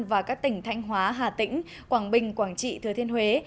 và các tỉnh thanh hóa hà tĩnh quảng bình quảng trị thừa thiên huế